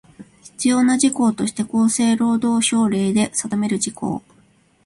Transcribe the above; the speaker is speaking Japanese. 必要な事項として厚生労働省令で定める事項